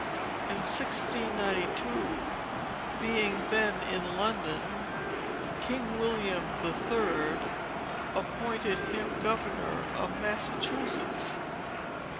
In 1692, being then in London, King William the Third appointed him governor of Massachusetts.